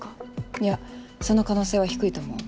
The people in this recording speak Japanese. いやその可能性は低いと思う。